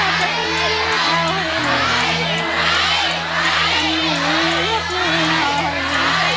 ใช้